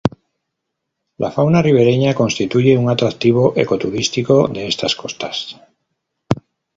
La fauna ribereña constituye un atractivo ecoturístico de estas costas.